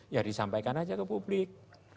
ya disampaikan aja ke publik